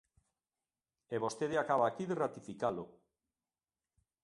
E vostede acaba aquí de ratificalo.